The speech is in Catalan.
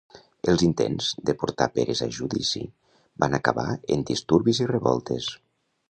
Els intents de portar Perez a judici van acabar en disturbis i revoltes.